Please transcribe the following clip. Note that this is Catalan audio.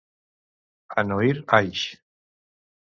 En oir aix